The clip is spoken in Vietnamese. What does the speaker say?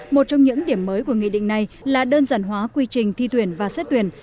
một trong những điểm mới của nghị định này là đơn giản hóa quy trình thi tuyển và xét tuyển